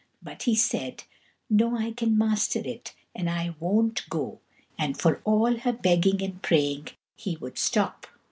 But he said: "No! I can master it, and I won't go"; and for all her begging and praying he would stop.